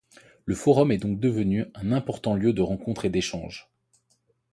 Le forum est donc devenu un important lieu de rencontres et d'échanges.